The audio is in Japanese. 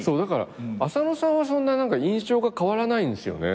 浅野さんはそんな印象が変わらないんですよね。